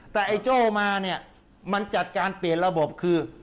แต่ไอ้โจ้มาเนี่ยมันจัดการเปลี่ยนระบบคือ